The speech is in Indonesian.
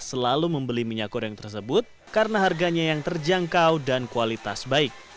selalu membeli minyak goreng tersebut karena harganya yang terjangkau dan kualitas baik